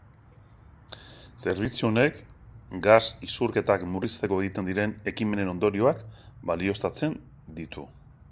Zerbitzu honek gas isurketak murrizteko egiten diren ekimenen ondorioak balioztatzen diru.